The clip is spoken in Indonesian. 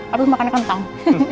abis makan kentang